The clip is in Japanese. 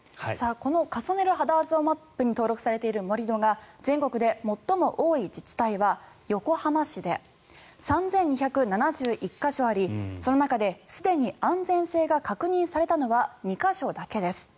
この重ねるハザードマップに登録されている盛り土が全国で最も多い自治体は横浜市で、３２７１か所ありその中ですでに安全性が確認されたのは２か所だけです。